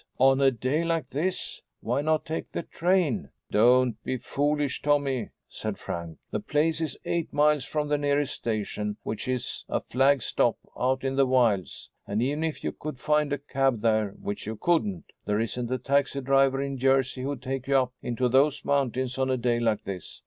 On a day like this? Why not take the train?" "Don't be foolish, Tommy," said Frank. "The place is eight miles from the nearest station, which is a flag stop out in the wilds. And, even if you could find a cab there which you couldn't there isn't a taxi driver in Jersey who'd take you up into those mountains on a day like this.